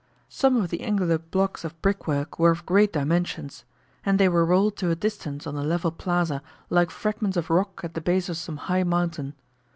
Some of the angular blocks of brickwork were of great dimensions; and they were rolled to a distance on the level plaza, like fragments of rock at the base of some high mountain.